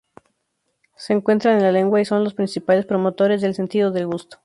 Se encuentran en la lengua y son los principales promotores del sentido del gusto.